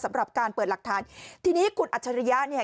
สำหรับการเปิดหลักฐานทีนี้คุณอัจฉริยะเนี่ย